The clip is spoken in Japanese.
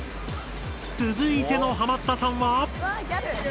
続いてのハマったさんは。わギャル！